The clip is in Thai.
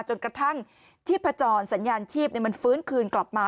จนกระทั่งชีพจรสัญญาณชีพมันฟื้นคืนกลับมา